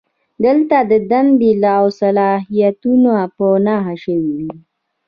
دلته دندې او صلاحیتونه په نښه شوي وي.